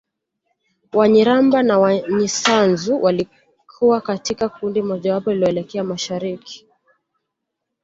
Wanyiramba na Wanyisanzu walikuwa katika kundi mojawapo lililoelekea mashariki